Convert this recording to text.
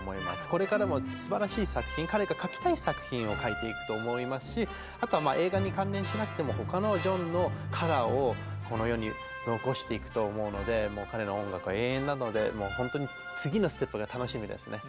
これからもすばらしい作品彼が書きたい作品を書いていくと思いますしあとは映画に関連しなくても他のジョンのカラーをこの世に残していくと思うのでもう彼の音楽は永遠なのでもう本当に次のステップが楽しみですね。ね